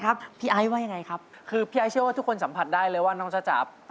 แม่บอกให้ร้องตอนนั้น